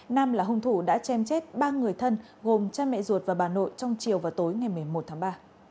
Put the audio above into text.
nam là hung thủ đã chem chết ba người thân gồm cha mẹ ruột và bà nội trong chiều và tối ngày một mươi một tháng ba